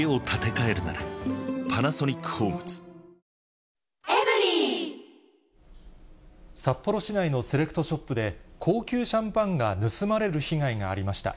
この悔しい気持ちを、札幌市内のセレクトショップで、高級シャンパンが盗まれる被害がありました。